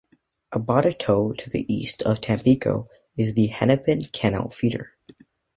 About a to the east of Tampico is the Hennepin Canal feeder.